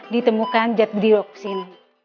ditemukan jad diroksin